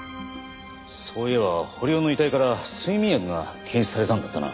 そういえば堀尾の遺体から睡眠薬が検出されたんだったな？